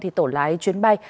thì tổ lái chuyến bay